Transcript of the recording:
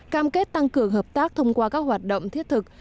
cam kết tăng cường hợp tác thông qua các hoạt động thiết thực